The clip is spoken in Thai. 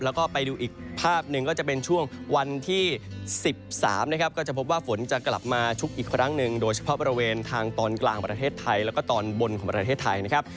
แล้วก็ไปดูอีกภาพหนึ่งก็จะเป็นช่วงวันที่๑๓นะครับก็จะพบว่าฝนจะกลับมาชุกอีกครั้งหนึ่งโดยเฉพาะบริเวณทางตอนกลางประเทศไทยแล้วก็ตอนบนของประเทศไทยนะครับ